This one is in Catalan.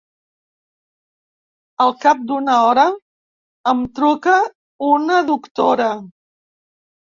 Al cap d’una hora, em truca una doctora.